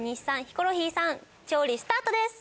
ヒコロヒーさん調理スタートです。